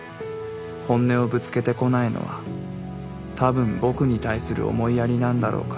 本音をぶつけてこないのは多分僕に対する思いやりなんだろうから。